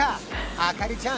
あかりちゃん